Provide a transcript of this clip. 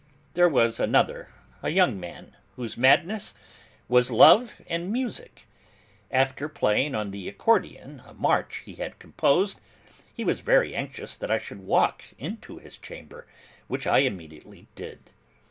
There was another: a young man, whose madness was love and music. After playing on the accordion a march he had composed, he was very anxious that I should walk into his chamber, which I immediately did.